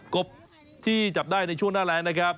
กบที่จับได้ในช่วงหน้าแรงนะครับ